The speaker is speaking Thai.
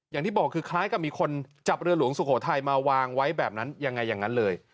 อย่างที่บอกคือคล้ายกับมีคนจับเรือหลวงสุโขทัยมาวางไว้แบบนั้นยังไงอย่างนั้นเลย